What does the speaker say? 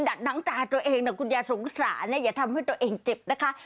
หนังตาตัวเองนะคุณยายสงสารนะอย่าทำให้ตัวเองเจ็บนะคะ